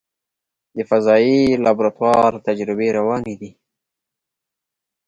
د فضایي لابراتوار تجربې روانې دي.